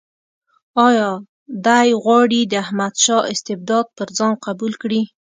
آیا دی غواړي د احمدشاه استبداد پر ځان قبول کړي.